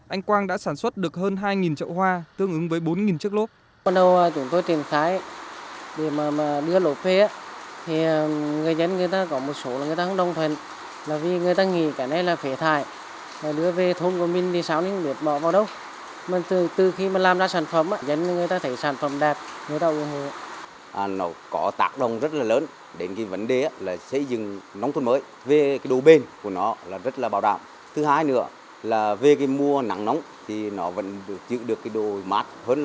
anh quang đã sản xuất được hơn hai chậu hoa tương ứng với bốn chiếc lốp